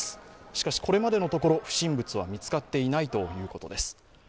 しかし、これまでのところ不審物は見つかっていないということです。